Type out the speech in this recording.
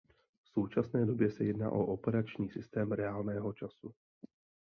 V současné době se jedná o operační systém reálného času.